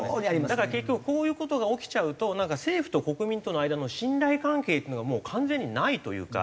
だから結局こういう事が起きちゃうと政府と国民との間の信頼関係っていうのがもう完全にないというか。